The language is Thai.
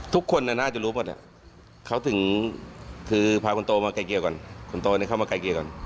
ทุกคนน่าจะรู้หมดน่ะเขาถึงคือพาคนโตมาไกลเกียร์ก่อน